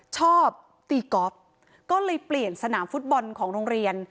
ชอบตีก๊อฟก็เลยเปลี่ยนสนามฟุตบอลของโรงเรียน